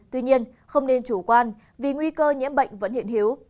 tuy nhiên không nên chủ quan vì nguy cơ nhiễm bệnh vẫn hiện hiếu